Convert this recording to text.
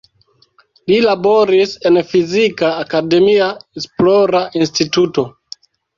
Li laboris en fizika akademia esplora instituto.